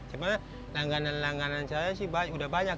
cuma langganan langganan saya sih sudah banyak